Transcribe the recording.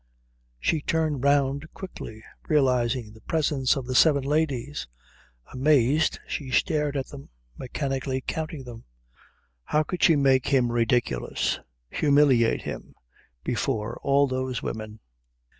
She turned round quickly, realising the presence of the seven ladies. Amazed she stared at them, mechanically counting them. How could she make him ridiculous, humiliate him, before all those women?